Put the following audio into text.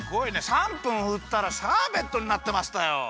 ３分ふったらシャーベットになってましたよ。